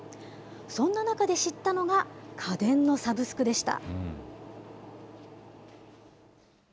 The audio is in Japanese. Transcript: そんな中で知ったのが、家電のサブスクでした。